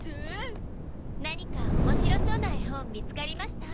何か面白そうな絵本見つかりました？